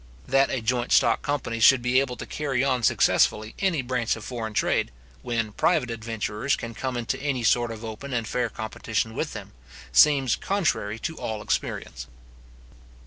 That a joint stock company should be able to carry on successfully any branch of foreign trade, when private adventurers can come into any sort of open and fair competition with them, seems contrary to all experience.